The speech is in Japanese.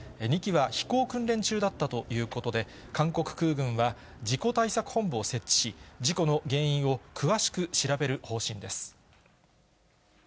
２機は飛行訓練中だったということで、韓国空軍は事故対策本部を設置し、事故の原因を詳しく調べる方針です。